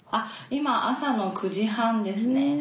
今朝の９時半ですね。